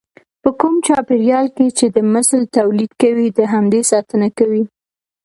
په کوم چاپېريال کې چې د مثل توليد کوي د همدې ساتنه کوي.